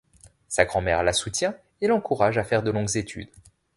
Sa grand mère la soutient et l'encourage à faire de longues études.